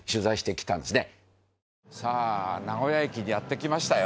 気名古屋駅にやって来ましたよ。